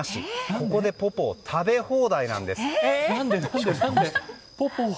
ここでポポーが食べ放題なんです。